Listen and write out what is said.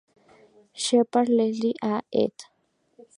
Shepard, Leslie A., ed.